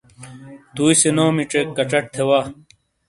توئی سے نومی چیک کچٹ تھے وا۔